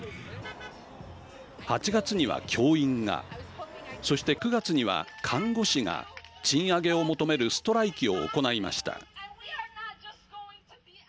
８月には教員がそして９月には看護師が賃上げを求めるストライキを行いました。